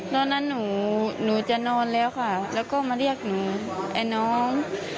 ตอนนั้นหนูจะนอนแล้วค่ะแล้วก็มาเรียกหนูไอ้น้อง